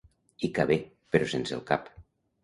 Hi cabé, però sense el cap.